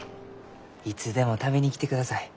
いつでも食べに来てください。